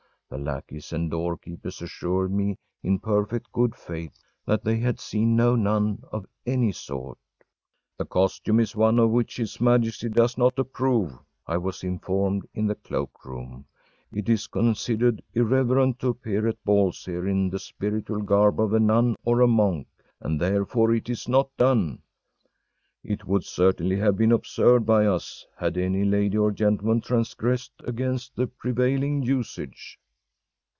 The lackeys and doorkeepers assured me in perfect good faith that they had seen no nun of any sort. “The costume is one of which His Majesty does not approve,‚ÄĚ I was informed in the cloak room. “It is considered irreverent to appear at balls here in the spiritual garb of a nun or a monk, and therefore it is not done. It would certainly have been observed by us had any lady or gentleman transgressed against the prevailing usage.